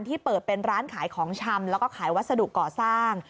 เปิดเป็นร้านขายของชำแล้วก็ขายวัสดุก่อสร้าง